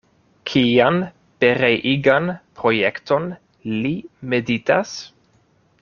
Kian pereigan projekton li meditas?